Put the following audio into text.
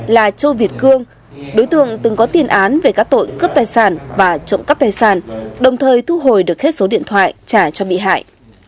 là châu việt cương đối tượng từng có tiền án về các tội cướp tài sản và trộm cắp tài sản đồng thời thu hồi được hết số điện thoại trả cho bị hại